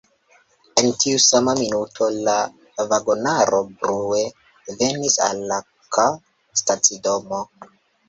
En tiu sama minuto la vagonaro brue venis al la K-a stacidomo.